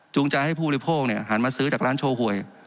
จูงจ่ายให้ผู้หลิปโภคหันมาซื้อจากร้านโชว์หวย